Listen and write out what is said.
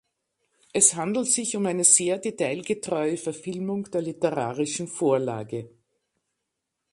Es handelt sich um eine sehr detailgetreue Verfilmung der literarischen Vorlage.